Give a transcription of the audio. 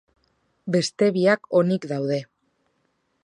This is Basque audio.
Beste biak onik daude.